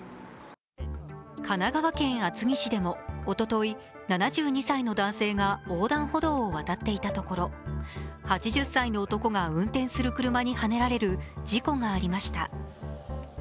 神奈川県厚木市でもおととい、７２歳の男性が横断歩道を渡っていたところ８０歳の男が運転する車にはねられる事故がありました。